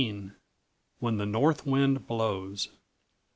_When the North Wind Blows.